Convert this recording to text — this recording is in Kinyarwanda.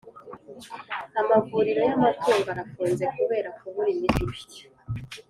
Amavuriro y’amatungo arafunze kubera kubura imiti